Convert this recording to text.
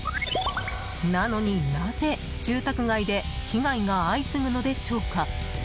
なのに、なぜ住宅街で被害が相次ぐのでしょうか。